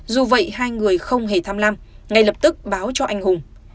dù vậy hai người không hề thăm lam ngay lập tức báo cho anh hùng